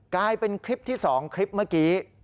กลายเป็นคลิปที่๒คลิปเมื่อกี้